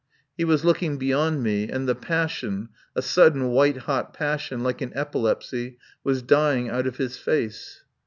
He was looking beyond me and the passion — a sudden white hot passion like an epilepsy — was dying out of his face.